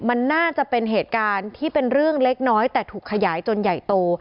มันน่าจะเป็นเหตุการณ์ที่เป็นเรื่องเล็กน้อยแต่ถูกขยายจนใหญ่โต